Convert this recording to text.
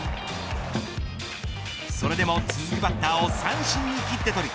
それでも続くバッターを三振に切って取り